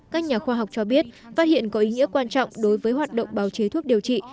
và biết phát hiện có ý nghĩa quan trọng đối với hoạt động báo chế thuốc điều trị